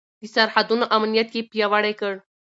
د سرحدونو امنيت يې پياوړی کړ.